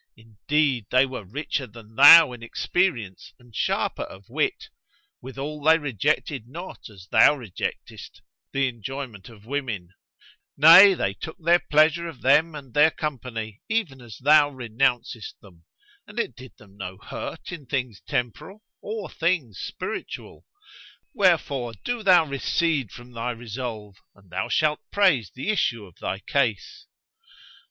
Indeed, they were richer than thou in experience and sharper of wit; withal they rejected not, as thou rejectest, the enjoyment of women; nay, they took their pleasure of them and their company even as thou renouncest them, and it did them no hurt in things temporal or things spiritual. Wherefore do thou recede from thy resolve and thou shalt praise the issue of thy case."